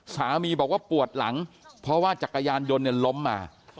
สามีบอกว่าปวดหลังเพราะว่าจักรยานยนต์เนี่ยล้มมา